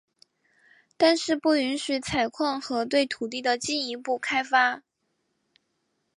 但是不允许采矿和对土地的进一步开发。